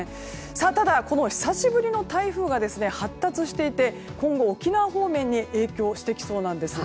ただ、この久しぶりの台風が発達していて今後、沖縄方面に影響していきそうなんです。